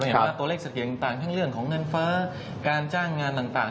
เราเห็นว่าตัวเลขเศรษฐกิจต่างทั้งเรื่องของเงินเฟ้อการจ้างงานต่าง